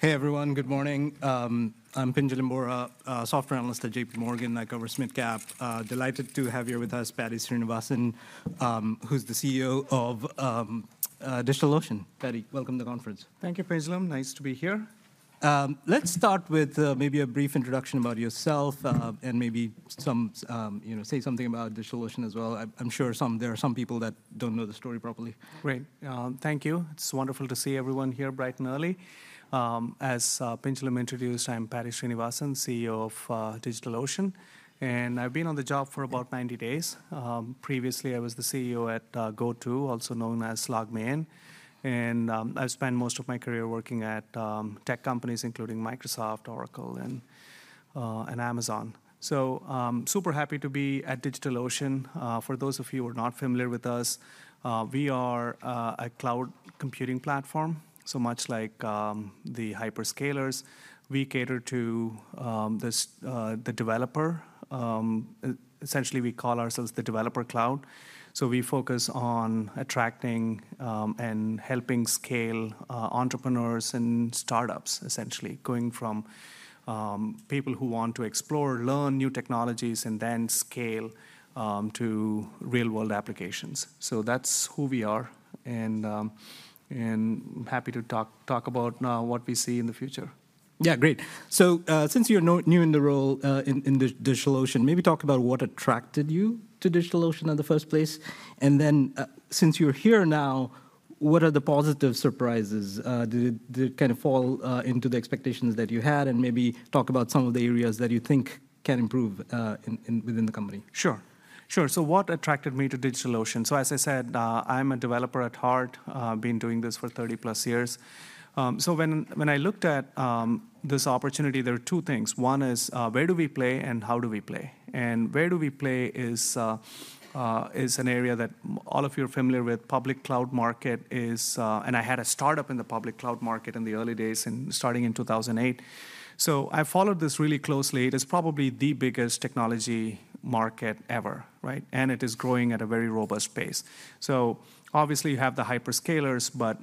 Hey, everyone. Good morning. I'm Pinjalim Bora, a software analyst at J.P. Morgan that covers SMID Cap. Delighted to have here with us Paddy Srinivasan, who's the CEO of DigitalOcean. Paddy, welcome to the conference. Thank you, Pinjal. Nice to be here. Let's start with maybe a brief introduction about yourself, and maybe some... You know, say something about DigitalOcean as well. I'm sure there are some people that don't know the story properly. Great. Thank you. It's wonderful to see everyone here bright and early. As Pinjalim introduced, I'm Paddy Srinivasan, CEO of DigitalOcean, and I've been on the job for about 90 days. Previously, I was the CEO at GoTo, also known as LogMeIn, and I've spent most of my career working at tech companies, including Microsoft, Oracle, and Amazon. So, I'm super happy to be at DigitalOcean. For those of you who are not familiar with us, we are a cloud computing platform. So much like the hyperscalers, we cater to the developer. Essentially, we call ourselves the developer cloud. So we focus on attracting and helping scale entrepreneurs and startups, essentially, going from people who want to explore, learn new technologies, and then scale to real-world applications. So that's who we are, and happy to talk about now what we see in the future. Yeah, great. So, since you're new in the role, in DigitalOcean, maybe talk about what attracted you to DigitalOcean in the first place. And then, since you're here now, what are the positive surprises? Did it kind of fall into the expectations that you had? And maybe talk about some of the areas that you think can improve within the company. Sure. Sure. So what attracted me to DigitalOcean? So, as I said, I'm a developer at heart. Been doing this for 30+ years. So when I looked at this opportunity, there were two things. One is, where do we play, and how do we play? And where do we play is an area that all of you are familiar with. Public cloud market is. And I had a startup in the public cloud market in the early days, starting in 2008. So I followed this really closely. It is probably the biggest technology market ever, right? And it is growing at a very robust pace. So obviously, you have the hyperscalers, but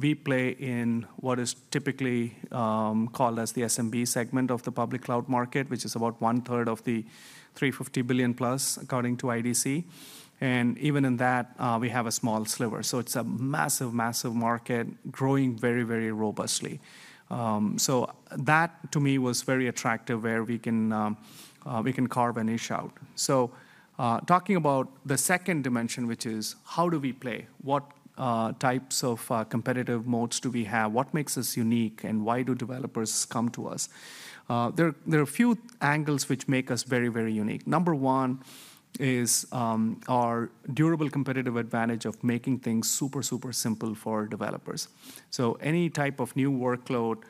we play in what is typically called as the SMB segment of the public cloud market, which is about one third of the $350 billion+, according to IDC. And even in that, we have a small sliver. So it's a massive, massive market, growing very, very robustly. So that, to me, was very attractive, where we can carve a niche out. So, talking about the second dimension, which is: how do we play? What types of competitive modes do we have? What makes us unique, and why do developers come to us? There are a few angles which make us very, very unique. Number one is our durable competitive advantage of making things super, super simple for developers. So any type of new workload,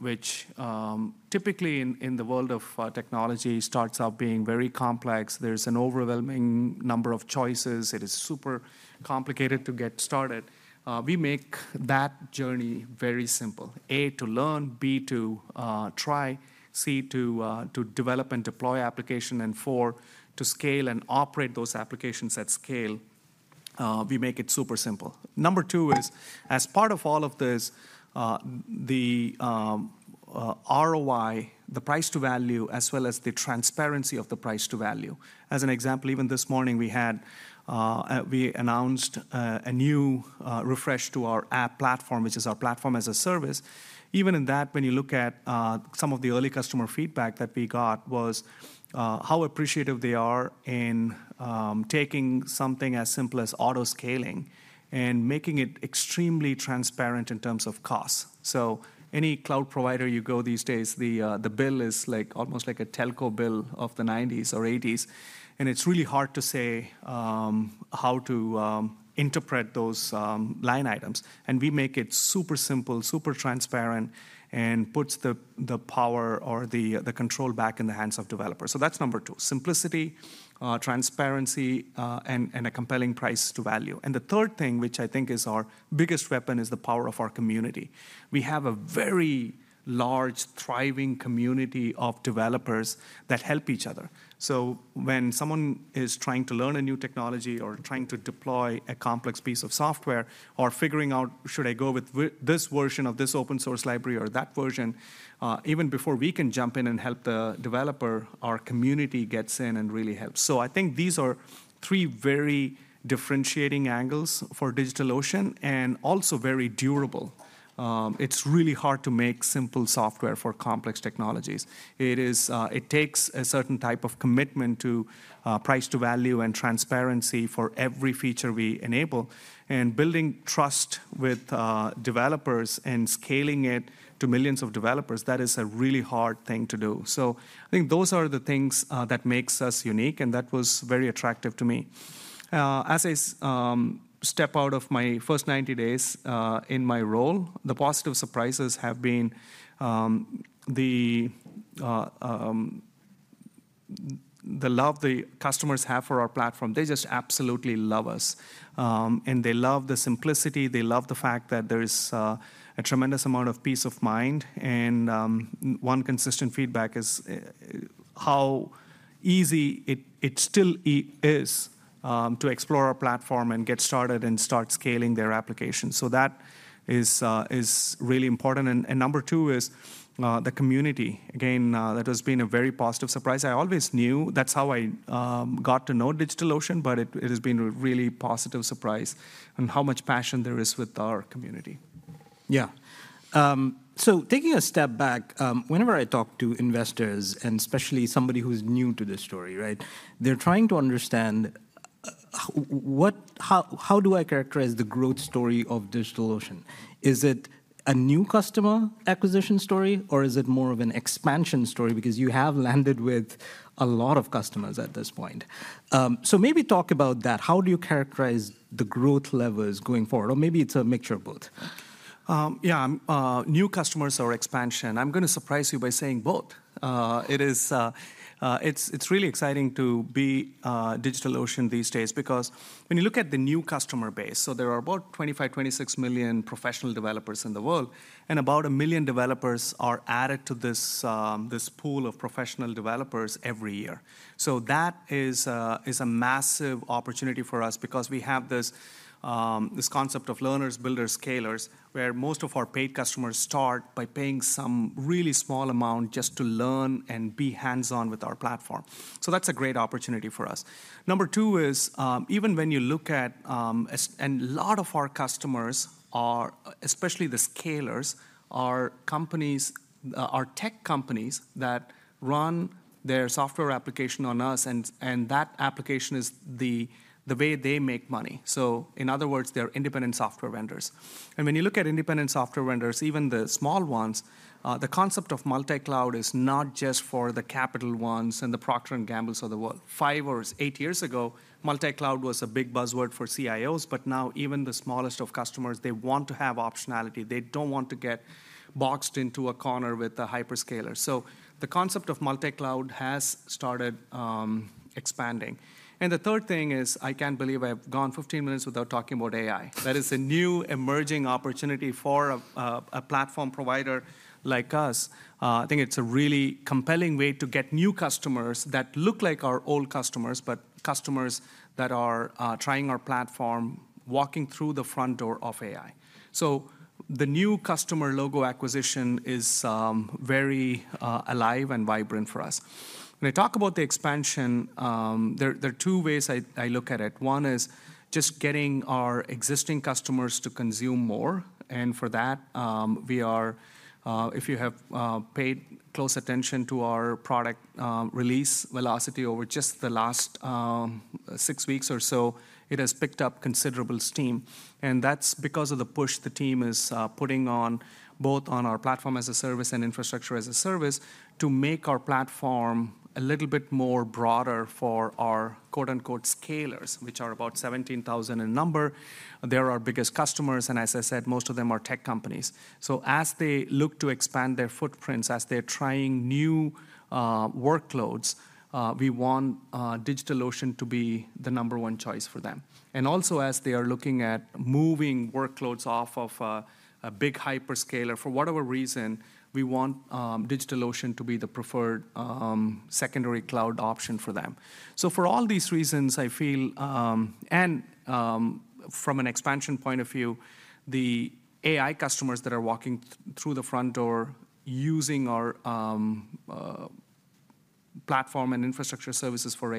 which, typically in the world of technology, starts out being very complex. There's an overwhelming number of choices. It is super complicated to get started. We make that journey very simple, A, to learn, B, to, to develop and deploy application, and four, to scale and operate those applications at scale. We make it super simple. Number tow is, as part of all of this, the ROI, the price to value, as well as the transparency of the price to value. As an example, even this morning, we had... We announced, a new refresh to our App Platform, which is our platform as a service. Even in that, when you look at some of the early customer feedback that we got was how appreciative they are in taking something as simple as auto-scaling and making it extremely transparent in terms of cost. So any cloud provider you go these days, the bill is like almost like a telco bill of the nineties or eighties, and it's really hard to say how to interpret those line items. And we make it super simple, super transparent, and puts the power or the control back in the hands of developers. So that's number two: simplicity, transparency, and a compelling price to value. And the third thing, which I think is our biggest weapon, is the power of our community. We have a very large, thriving community of developers that help each other. So when someone is trying to learn a new technology or trying to deploy a complex piece of software or figuring out, "Should I go with this version of this open source library or that version?" Even before we can jump in and help the developer, our community gets in and really helps. So I think these are three very differentiating angles for DigitalOcean, and also very durable. It's really hard to make simple software for complex technologies. It is. It takes a certain type of commitment to price to value and transparency for every feature we enable. And building trust with developers and scaling it to millions of developers, that is a really hard thing to do. So I think those are the things that makes us unique, and that was very attractive to me. As I step out of my first 90 days in my role, the positive surprises have been the love the customers have for our platform. They just absolutely love us, and they love the simplicity. They love the fact that there is a tremendous amount of peace of mind, and one consistent feedback is how easy it still is to explore our platform and get started and start scaling their application. So that is really important. And number two is the community. Again, that has been a very positive surprise. I always knew, that's how I got to know DigitalOcean, but it has been a really positive surprise in how much passion there is with our community. Yeah. So taking a step back, whenever I talk to investors, and especially somebody who's new to this story, right? They're trying to understand, what, how do I characterize the growth story of DigitalOcean? Is it a new customer acquisition story, or is it more of an expansion story? Because you have landed with a lot of customers at this point. So maybe talk about that. How do you characterize the growth levels going forward, or maybe it's a mixture of both. Yeah, new customers or expansion. I'm gonna surprise you by saying both. It's really exciting to be DigitalOcean these days because when you look at the new customer base, so there are about 25 million-26 million professional developers in the world, and about 1 million developers are added to this pool of professional developers every year. So that is a massive opportunity for us because we have this concept of learners, builders, scalers, where most of our paid customers start by paying some really small amount just to learn and be hands-on with our platform. So that's a great opportunity for us. Number two is, even when you look at, and a lot of our customers are, especially the scalers, are companies, are tech companies that run their software application on us, and, and that application is the, the way they make money. So in other words, they're independent software vendors. And when you look at independent software vendors, even the small ones, the concept of multi-cloud is not just for the Capital Ones and the Procter & Gambles of the world. 5 or 8 years ago, multi-cloud was a big buzzword for CIOs, but now even the smallest of customers, they want to have optionality. They don't want to get boxed into a corner with a hyperscaler. So the concept of multi-cloud has started, expanding. And the third thing is, I can't believe I've gone 15 minutes without talking about AI. That is a new emerging opportunity for a platform provider like us. I think it's a really compelling way to get new customers that look like our old customers, but customers that are trying our platform, walking through the front door of AI. So the new customer logo acquisition is very alive and vibrant for us. When I talk about the expansion, there are two ways I look at it. One is just getting our existing customers to consume more, and for that, we are... If you have paid close attention to our product release velocity over just the last six weeks or so, it has picked up considerable steam, and that's because of the push the team is putting on, both on our platform as a service and infrastructure as a service, to make our platform a little bit more broader for our, quote, unquote, scalers, which are about 17,000 in number. They're our biggest customers, and as I said, most of them are tech companies. So as they look to expand their footprints, as they're trying new workloads, we want DigitalOcean to be the number one choice for them. And also, as they are looking at moving workloads off of a big hyperscaler, for whatever reason, we want DigitalOcean to be the preferred secondary cloud option for them. So for all these reasons, I feel. And from an expansion point of view, the AI customers that are walking through the front door using our platform and infrastructure services for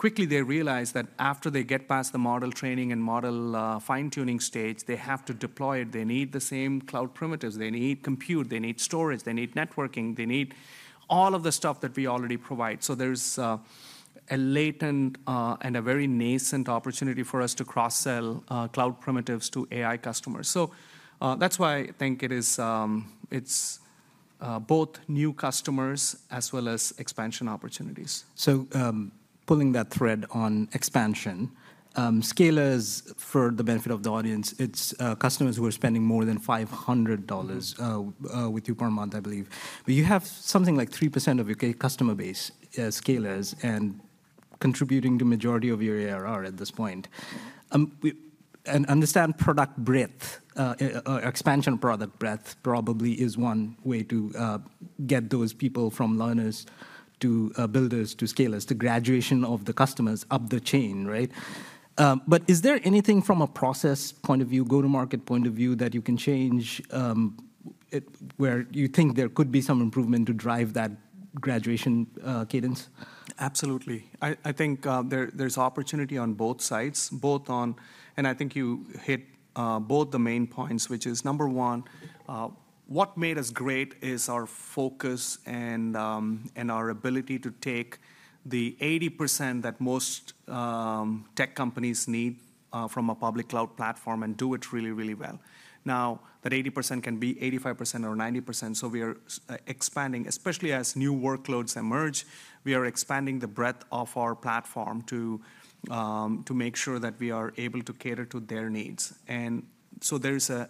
AI, quickly they realize that after they get past the model training and model fine-tuning stage, they have to deploy it. They need the same cloud primitives. They need compute, they need storage, they need networking, they need all of the stuff that we already provide. So there's a latent and a very nascent opportunity for us to cross-sell cloud primitives to AI customers. So that's why I think it is, it's both new customers as well as expansion opportunities. So, pulling that thread on expansion, scalers, for the benefit of the audience, it's customers who are spending more than $500- Mm-hmm... with you per month, I believe. But you have something like 3% of your customer base as scalers and contributing to majority of your ARR at this point. We understand product breadth, or expansion product breadth probably is one way to get those people from learners to builders to scalers, the graduation of the customers up the chain, right? But is there anything from a process point of view, go-to-market point of view, that you can change, where you think there could be some improvement to drive that graduation, cadence? Absolutely. I think there's opportunity on both sides. And I think you hit both the main points, which is number one, what made us great is our focus and our ability to take the 80% that most tech companies need from a public cloud platform and do it really, really well. Now, that 80% can be 85% or 90%, so we are expanding. Especially as new workloads emerge, we are expanding the breadth of our platform to make sure that we are able to cater to their needs. And so there's a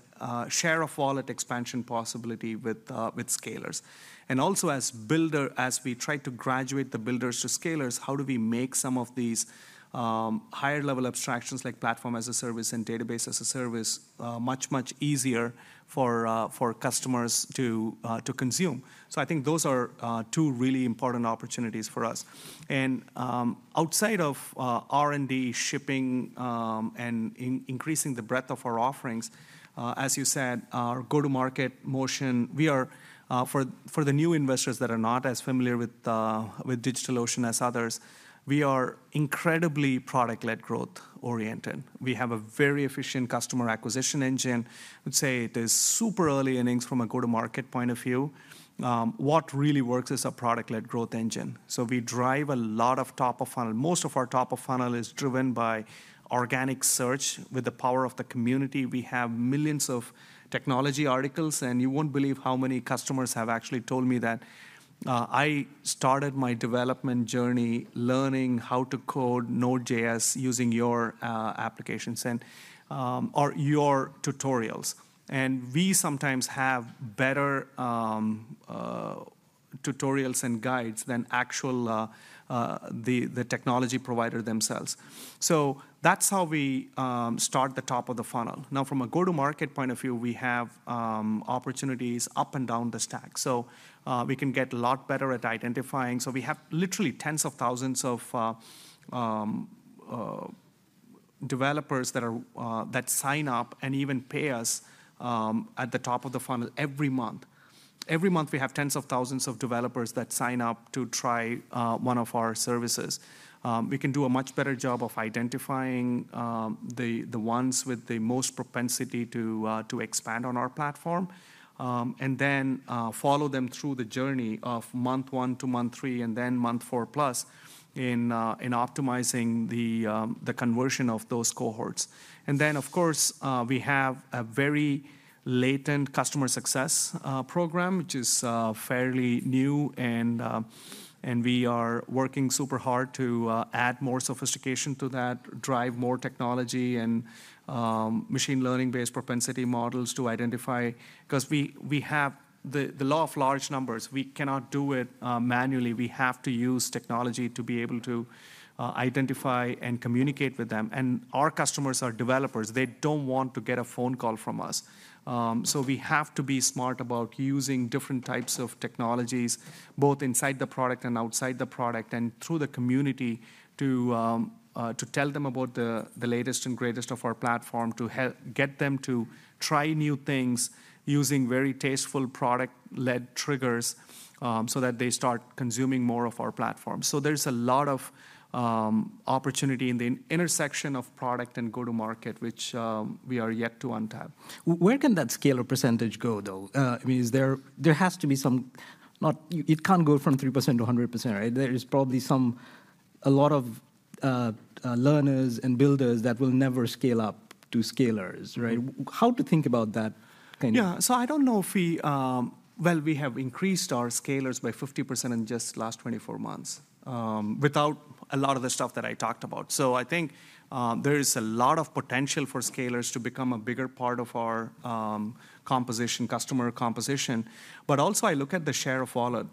share of wallet expansion possibility with scalers. And also, as we try to graduate the builders to scalers, how do we make some of these higher level abstractions, like platform as a service and database as a service, much, much easier for customers to consume? So I think those are two really important opportunities for us. And outside of R&D, shipping, and increasing the breadth of our offerings, as you said, our go-to-market motion, we are... For the new investors that are not as familiar with DigitalOcean as others, we are incredibly product-led, growth-oriented. We have a very efficient customer acquisition engine. I would say there's super early innings from a go-to-market point of view. What really works is a product-led growth engine. So we drive a lot of top of funnel. Most of our top of funnel is driven by organic search. With the power of the community, we have millions of technology articles, and you won't believe how many customers have actually told me that, "I started my development journey learning how to code Node.js using your applications and or your tutorials." And we sometimes have better tutorials and guides than actual the technology provider themselves. So that's how we start the top of the funnel. Now, from a go-to-market point of view, we have opportunities up and down the stack. So we can get a lot better at identifying. So we have literally tens of thousands of developers that sign up and even pay us at the top of the funnel every month. Every month, we have tens of thousands of developers that sign up to try one of our services. We can do a much better job of identifying the ones with the most propensity to expand on our platform and then follow them through the journey of month 1 to month 3, and then month 4+, in optimizing the conversion of those cohorts. And then, of course, we have a very latent customer success program, which is fairly new and we are working super hard to add more sophistication to that, drive more technology and machine learning-based propensity models to identify... 'Cause we have the law of large numbers. We cannot do it manually. We have to use technology to be able to identify and communicate with them. Our customers are developers. They don't want to get a phone call from us. So we have to be smart about using different types of technologies, both inside the product and outside the product, and through the community, to tell them about the latest and greatest of our platform, to help get them to try new things using very tasteful product-led triggers, so that they start consuming more of our platform. So there's a lot of opportunity in the intersection of product and go-to-market, which we are yet to untap. Where can that scaler percentage go, though? I mean, is there? There has to be some, not. It can't go from 3%-100%, right? There is probably some, a lot of, learners and builders that will never scale up to scalers, right? Mm. How to think about that kind of- Yeah. So I don't know if we, well, we have increased our scalers by 50% in just the last 24 months, without a lot of the stuff that I talked about. So I think, there is a lot of potential for scalers to become a bigger part of our, composition, customer composition. But also, I look at the share of wallet,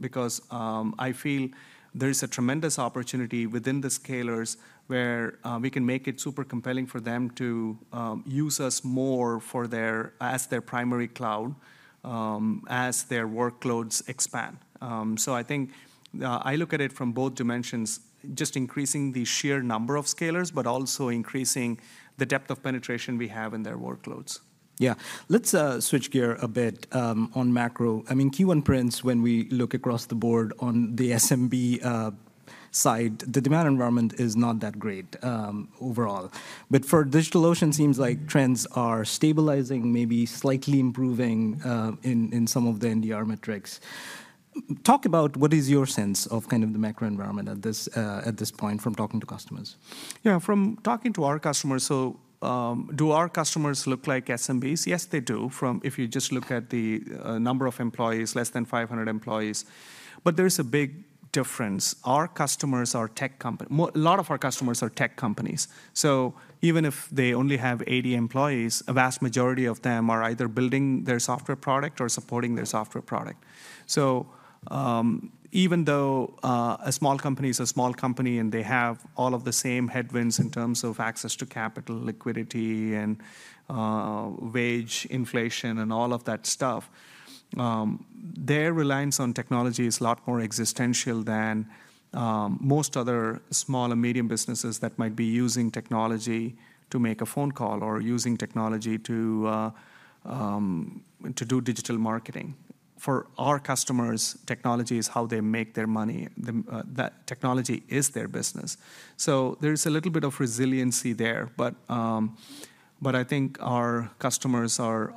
because, I feel there is a tremendous opportunity within the scalers where, we can make it super compelling for them to, use us more for their—as their primary cloud, as their workloads expand. So I think, I look at it from both dimensions, just increasing the sheer number of scalers, but also increasing the depth of penetration we have in their workloads. Yeah. Let's switch gear a bit on macro. I mean, Q1 prints, when we look across the board on the SMB side, the demand environment is not that great overall. But for DigitalOcean, seems like trends are stabilizing, maybe slightly improving in some of the NDR metrics. Talk about what is your sense of kind of the macro environment at this point from talking to customers. Yeah, from talking to our customers... So, do our customers look like SMBs? Yes, they do, if you just look at the number of employees, less than 500 employees. But there is a big difference. Our customers are tech company. A lot of our customers are tech companies. So even if they only have 80 employees, a vast majority of them are either building their software product or supporting their software product. So, even though a small company is a small company, and they have all of the same headwinds in terms of access to capital, liquidity, and wage inflation, and all of that stuff... Their reliance on technology is a lot more existential than most other small and medium businesses that might be using technology to make a phone call or using technology to do digital marketing. For our customers, technology is how they make their money. That technology is their business. So there is a little bit of resiliency there, but I think our customers are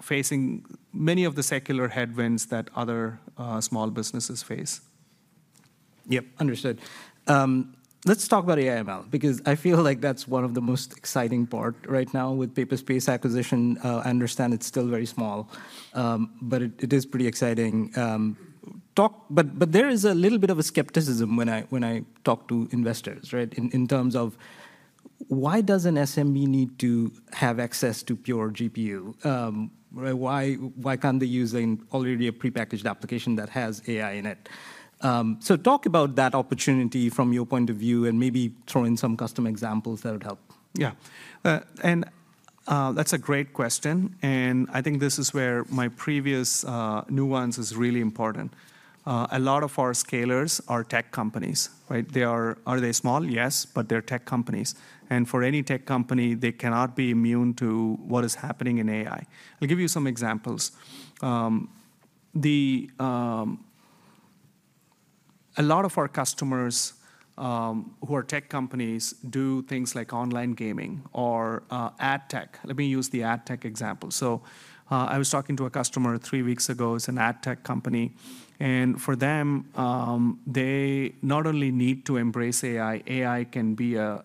facing many of the secular headwinds that other small businesses face. Yep, understood. Let's talk about AI/ML, because I feel like that's one of the most exciting part right now with Paperspace acquisition. I understand it's still very small, but it is pretty exciting. But there is a little bit of a skepticism when I talk to investors, right? In terms of why does an SME need to have access to pure GPU? Why can't they use an already prepackaged application that has AI in it? So talk about that opportunity from your point of view, and maybe throw in some custom examples that would help. Yeah. That's a great question, and I think this is where my previous nuance is really important. A lot of our scalers are tech companies, right? They are. Are they small? Yes, but they're tech companies, and for any tech company, they cannot be immune to what is happening in AI. I'll give you some examples. A lot of our customers who are tech companies do things like online gaming or ad tech. Let me use the ad tech example. So, I was talking to a customer three weeks ago. It's an ad tech company, and for them, they not only need to embrace AI. AI can be a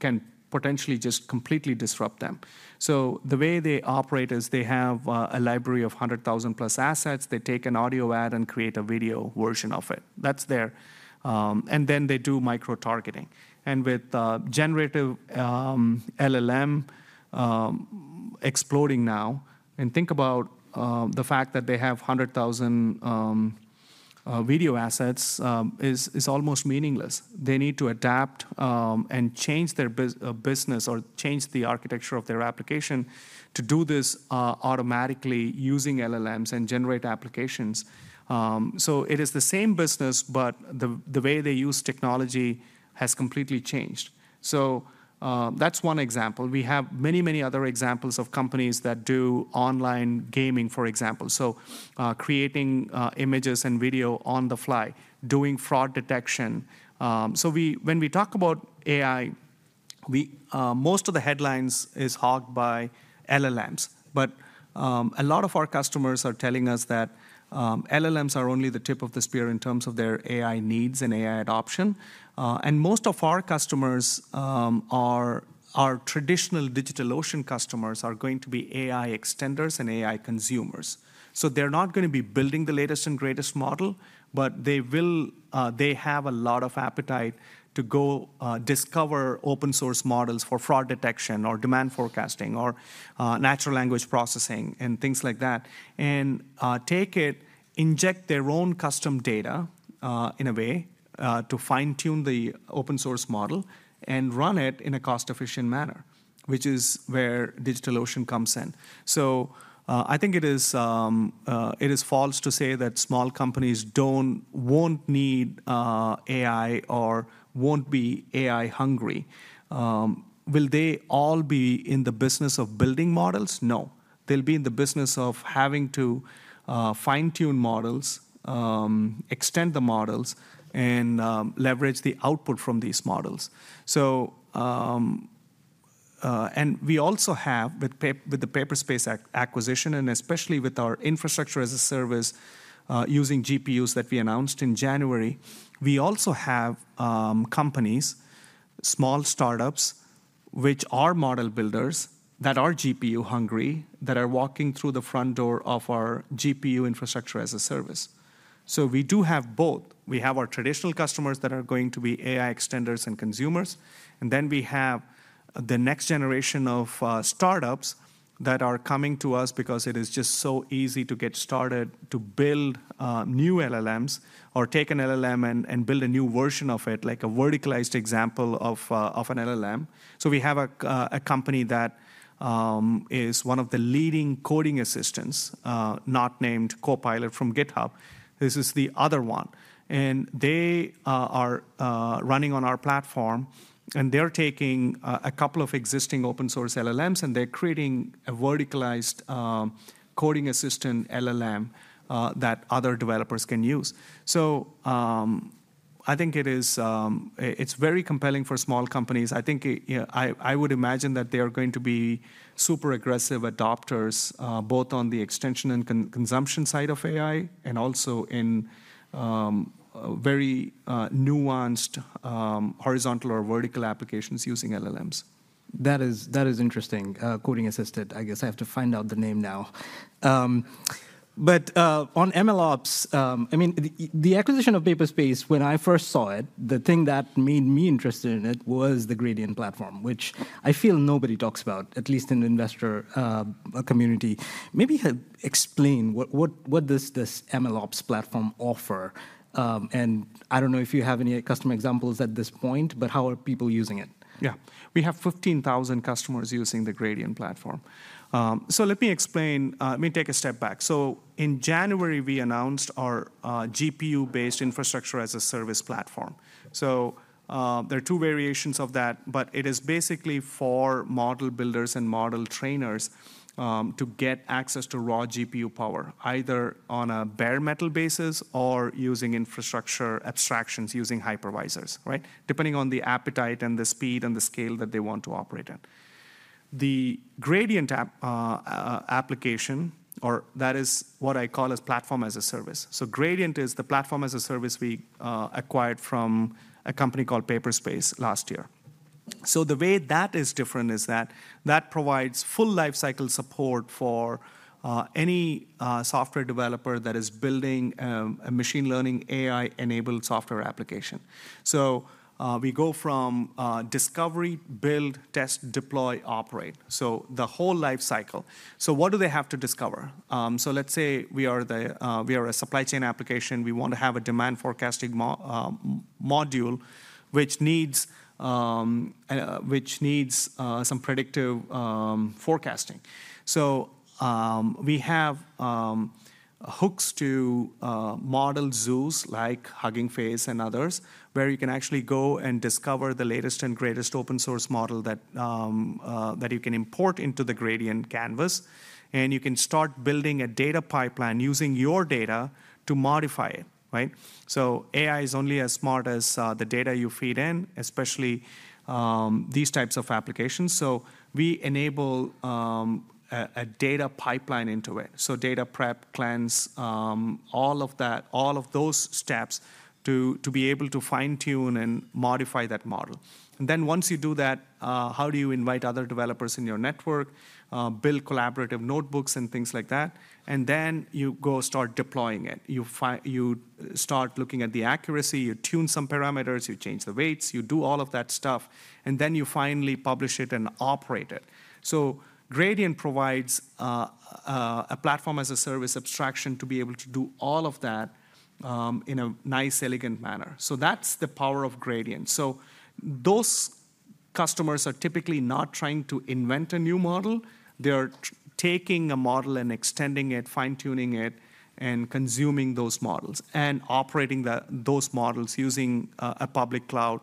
can potentially just completely disrupt them. So the way they operate is they have a library of 100,000+ assets. They take an audio ad and create a video version of it. That's their... And then they do micro-targeting. And with generative LLM exploding now, and think about the fact that they have 100,000 video assets is almost meaningless. They need to adapt and change their business or change the architecture of their application to do this automatically using LLMs and generate applications. So it is the same business, but the way they use technology has completely changed. So, that's one example. We have many, many other examples of companies that do online gaming, for example. So, creating images and video on the fly, doing fraud detection. So when we talk about AI, most of the headlines is hogged by LLMs. But, a lot of our customers are telling us that, LLMs are only the tip of the spear in terms of their AI needs and AI adoption. And most of our customers, are our traditional DigitalOcean customers, are going to be AI extenders and AI consumers. So they're not gonna be building the latest and greatest model, but they will, they have a lot of appetite to go, discover open source models for fraud detection or demand forecasting or, natural language processing and things like that, and, take it, inject their own custom data, in a way, to fine-tune the open source model and run it in a cost-efficient manner, which is where DigitalOcean comes in. So, I think it is false to say that small companies won't need AI or won't be AI hungry. Will they all be in the business of building models? No. They'll be in the business of having to fine-tune models, extend the models, and leverage the output from these models. So, and we also have, with the Paperspace acquisition, and especially with our infrastructure as a service, using GPUs that we announced in January, we also have companies, small startups, which are model builders that are GPU hungry, that are walking through the front door of our GPU infrastructure as a service. So we do have both. We have our traditional customers that are going to be AI extenders and consumers, and then we have the next generation of startups that are coming to us because it is just so easy to get started to build new LLMs or take an LLM and build a new version of it, like a verticalized example of an LLM. So we have a company that is one of the leading coding assistants, not named Copilot from GitHub. This is the other one, and they are running on our platform, and they're taking a couple of existing open source LLMs, and they're creating a verticalized coding assistant LLM that other developers can use. So I think it is... it's very compelling for small companies. I think, you know, I would imagine that they are going to be super aggressive adopters, both on the extension and consumption side of AI, and also in very nuanced horizontal or vertical applications using LLMs. That is interesting, coding assistant. I guess I have to find out the name now. But on MLOps, I mean, the acquisition of Paperspace, when I first saw it, the thing that made me interested in it was the Gradient platform, which I feel nobody talks about, at least in the investor community. Maybe explain what does this MLOps platform offer? And I don't know if you have any customer examples at this point, but how are people using it? Yeah. We have 15,000 customers using the Gradient platform. So let me explain. Let me take a step back. So in January, we announced our GPU-based infrastructure-as-a-service platform. So there are two variations of that, but it is basically for model builders and model trainers to get access to raw GPU power, either on a bare metal basis or using infrastructure abstractions, using hypervisors, right? Depending on the appetite and the speed and the scale that they want to operate in. The Gradient app, application, or that is what I call as platform-as-a-service. So Gradient is the platform-as-a-service we acquired from a company called Paperspace last year. So the way that is different is that that provides full lifecycle support for any software developer that is building a machine learning AI-enabled software application. So, we go from discovery, build, test, deploy, operate, so the whole lifecycle. So what do they have to discover? So let's say we are a supply chain application. We want to have a demand forecasting module, which needs some predictive forecasting. So, we have hooks to model zoos like Hugging Face and others, where you can actually go and discover the latest and greatest open source model that you can import into the Gradient canvas, and you can start building a data pipeline using your data to modify it, right? So AI is only as smart as the data you feed in, especially these types of applications. So we enable a data pipeline into it. So data prep, cleanse, all of that, all of those steps to be able to fine-tune and modify that model. And then once you do that, how do you invite other developers in your network, build collaborative notebooks and things like that? And then you go start deploying it. You start looking at the accuracy, you tune some parameters, you change the weights, you do all of that stuff, and then you finally publish it and operate it. So Gradient provides a platform-as-a-service abstraction to be able to do all of that in a nice, elegant manner. So that's the power of Gradient. So those customers are typically not trying to invent a new model. They are taking a model and extending it, fine-tuning it, and consuming those models, and operating those models using a public cloud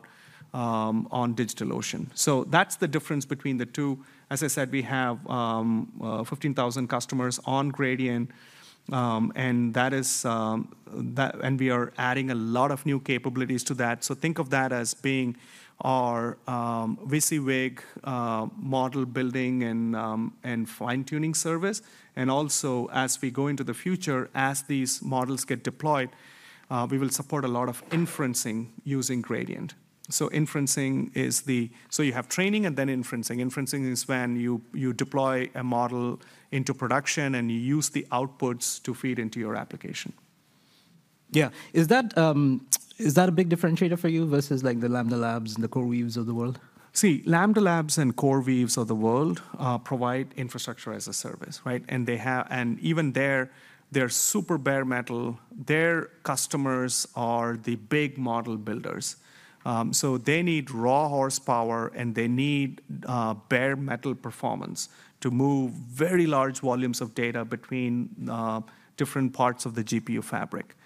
on DigitalOcean. So that's the difference between the two. As I said, we have 15,000 customers on Gradient, and that is that. And we are adding a lot of new capabilities to that. So think of that as being our WYSIWYG model building and fine-tuning service. And also, as we go into the future, as these models get deployed, we will support a lot of inferencing using Gradient. So inferencing is the... So you have training and then inferencing. Inferencing is when you deploy a model into production, and you use the outputs to feed into your application. Yeah. Is that a big differentiator for you versus, like, the Lambda Labs and the CoreWeaves of the world? See, Lambda Labs and CoreWeave of the world provide infrastructure as a service, right? And they have even their super bare metal; their customers are the big model builders. So they need raw horsepower, and they need bare metal performance to move very large volumes of data between different parts of the GPU fabric.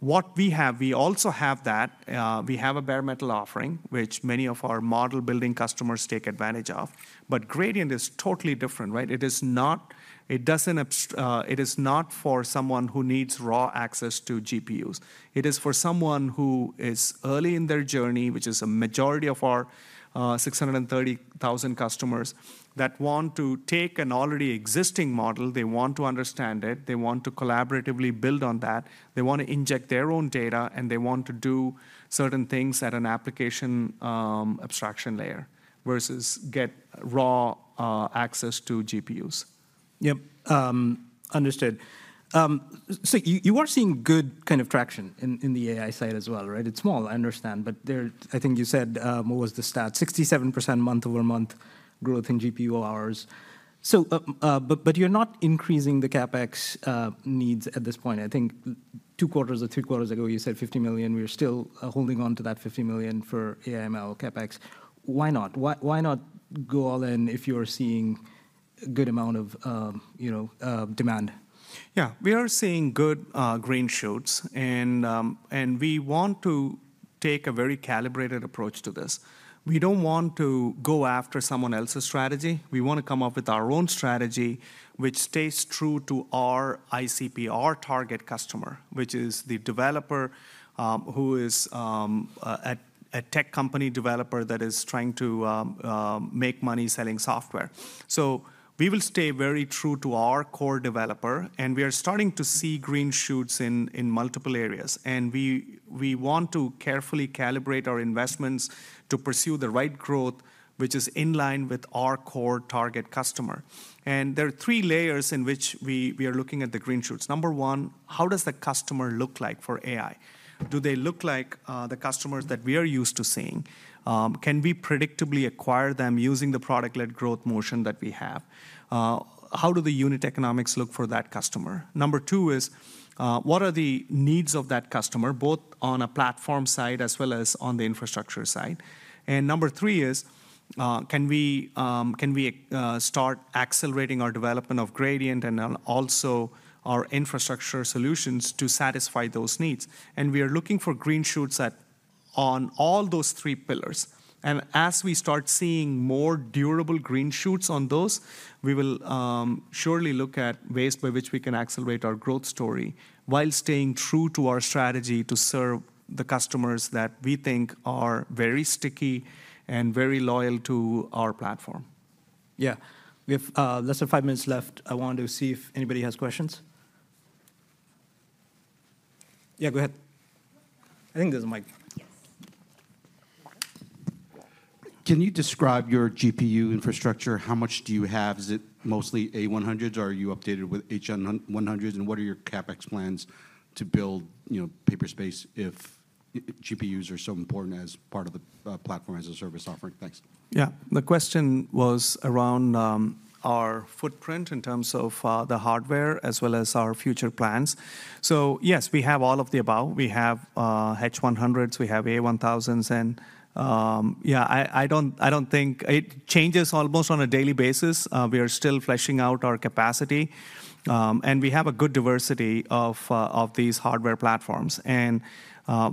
What we have, we also have that. We have a bare metal offering, which many of our model building customers take advantage of, but Gradient is totally different, right? It is not for someone who needs raw access to GPUs. It is for someone who is early in their journey, which is a majority of our 630,000 customers, that want to take an already existing model, they want to understand it, they want to collaboratively build on that, they want to inject their own data, and they want to do certain things at an application abstraction layer, versus get raw access to GPUs. Yep, understood. So you are seeing good kind of traction in the AI side as well, right? It's small, I understand, but there—I think you said what was the stat? 67% month-over-month growth in GPU hours. So, but you're not increasing the CapEx needs at this point. I think two quarters or three quarters ago, you said $50 million. We are still holding on to that $50 million for AI, ML CapEx. Why not? Why not go all in if you are seeing a good amount of, you know, demand? Yeah, we are seeing good green shoots, and we want to take a very calibrated approach to this. We don't want to go after someone else's strategy. We wanna come up with our own strategy, which stays true to our ICP, our target customer, which is the developer who is a tech company developer that is trying to make money selling software. So we will stay very true to our core developer, and we are starting to see green shoots in multiple areas. And we want to carefully calibrate our investments to pursue the right growth, which is in line with our core target customer. And there are three layers in which we are looking at the green shoots. Number one, how does the customer look like for AI? Do they look like the customers that we are used to seeing? Can we predictably acquire them using the product-led growth motion that we have? How do the unit economics look for that customer? Number two is, what are the needs of that customer, both on a platform side as well as on the infrastructure side? And number three is, can we start accelerating our development of Gradient and also our infrastructure solutions to satisfy those needs? And we are looking for green shoots on all those three pillars. And as we start seeing more durable green shoots on those, we will surely look at ways by which we can accelerate our growth story while staying true to our strategy to serve the customers that we think are very sticky and very loyal to our platform. Yeah. We have less than five minutes left. I want to see if anybody has questions. Yeah, go ahead. I think there's a mic. Yes. Can you describe your GPU infrastructure? How much do you have? Is it mostly A100s, or are you updated with H100s? And what are your CapEx plans to build, you know, Paperspace if GPUs are so important as part of the platform as a service offering? Thanks. Yeah. The question was around our footprint in terms of the hardware as well as our future plans. So yes, we have all of the above. We have H100s, we have A1000s, and... Yeah, I don't think it changes almost on a daily basis. We are still fleshing out our capacity, and we have a good diversity of these hardware platforms. And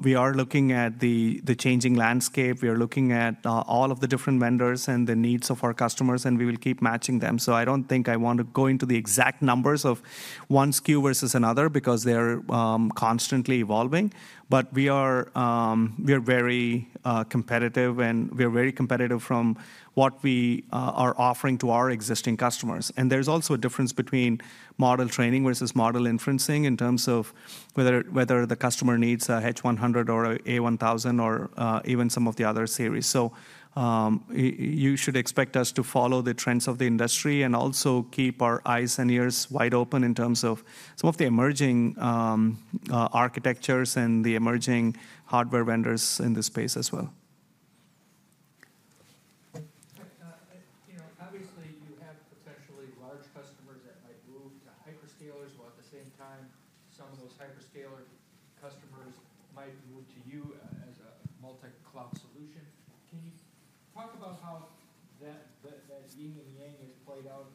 we are looking at the changing landscape. We are looking at all of the different vendors and the needs of our customers, and we will keep matching them. So I don't think I want to go into the exact numbers of one SKU versus another because they're constantly evolving. But we are very competitive, and we are very competitive from what we are offering to our existing customers. There's also a difference between model training versus model inferencing in terms of whether the customer needs a H100 or a A1000 or even some of the other series. You should expect us to follow the trends of the industry and also keep our eyes and ears wide open in terms of some of the emerging architectures and the emerging hardware vendors in this space as well. You know, obviously, you have potentially large customers that might move to hyperscalers, while at the same time, some of those hyperscaler customers might move to you as a multi-cloud solution. Can you talk about how that yin and yang has played out,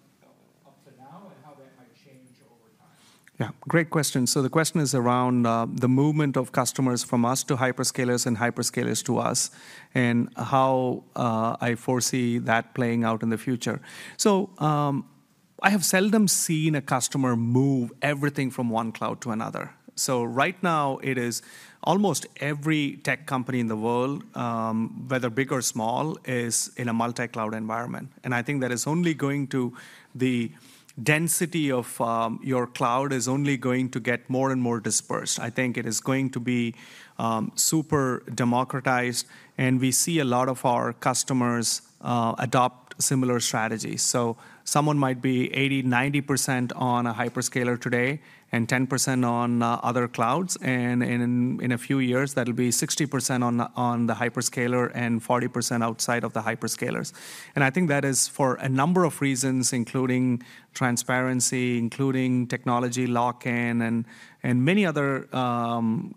up to now and how that might change over time? Yeah, great question. So the question is around the movement of customers from us to hyperscalers and hyperscalers to us, and how I foresee that playing out in the future. So I have seldom seen a customer move everything from one cloud to another. So right now, it is almost every tech company in the world, whether big or small, is in a multi-cloud environment. And I think that it's only going to... The density of your cloud is only going to get more and more dispersed. I think it is going to be super democratized, and we see a lot of our customers adopt similar strategies. So someone might be 80%-90% on a hyperscaler today and 10% on other clouds, and in a few years, that'll be 60% on the hyperscaler and 40% outside of the hyperscalers. And I think that is for a number of reasons, including transparency, including technology lock-in, and many other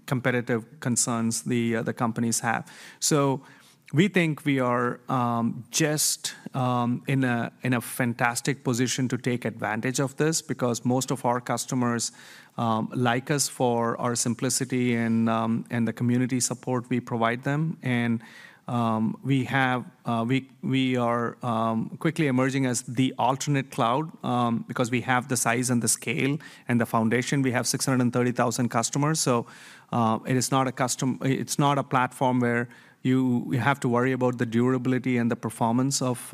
competitive concerns the companies have. So we think we are just in a fantastic position to take advantage of this because most of our customers like us for our simplicity and the community support we provide them. And we are quickly emerging as the alternate cloud because we have the size and the scale and the foundation. We have 630,000 customers, so it is not a custom- it's not a platform where you have to worry about the durability and the performance of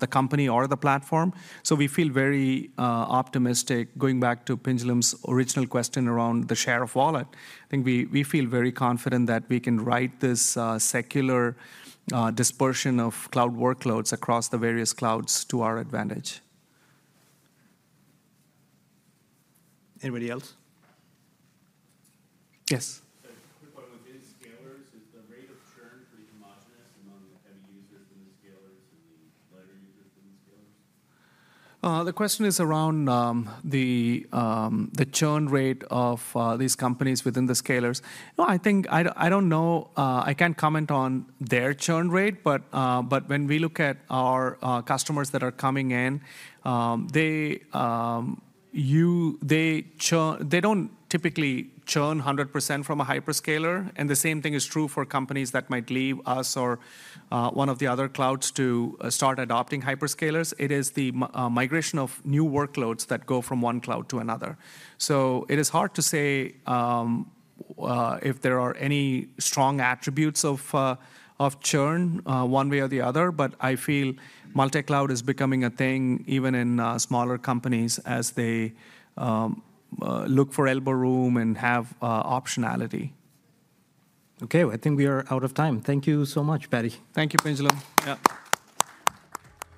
the company or the platform. So we feel very optimistic. Going back to Pinjalim's original question around the share of wallet, I think we feel very confident that we can ride this secular dispersion of cloud workloads across the various clouds to our advantage. Anybody else? Yes. Quick one. Within scalers, is the rate of churn pretty homogeneous among the heavy users in the scalers and the lighter users in the scalers? The question is around the churn rate of these companies within the Scalers. No, I think I don't know. I can't comment on their churn rate, but when we look at our customers that are coming in, they don't typically churn 100% from a hyperscaler, and the same thing is true for companies that might leave us or one of the other clouds to start adopting hyperscalers. It is the migration of new workloads that go from one cloud to another. So it is hard to say if there are any strong attributes of churn one way or the other, but I feel multi-cloud is becoming a thing even in smaller companies as they look for elbow room and have optionality. Okay, I think we are out of time. Thank you so much, Paddy. Thank you, Pinjalim. Yeah.